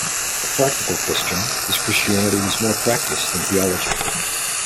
A practical Christian, his Christianity was more practice than theology.